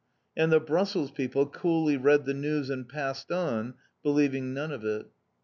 And the Brussels people coolly read the news and passed on, believing none of it.